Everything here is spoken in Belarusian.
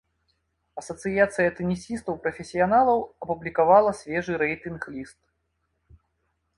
Асацыяцыя тэнісістаў-прафесіяналаў апублікавала свежы рэйтынг ліст.